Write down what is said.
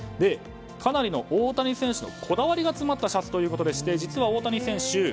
かなりの大谷選手のこだわりが詰まったシャツということで実は、大谷選手